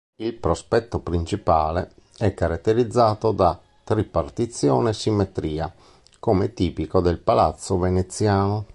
Il prospetto principale è caratterizzato da tripartizione e simmetria, come tipico del palazzo veneziano.